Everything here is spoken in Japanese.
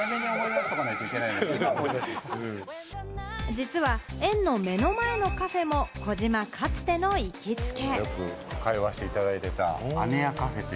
実は「えん」の目の前のカフェも児嶋、かつての行きつけ。